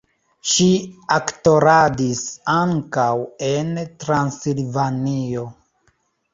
Ŝi aktoradis ankaŭ en Transilvanio.